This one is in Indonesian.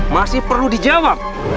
masih perlu dijawab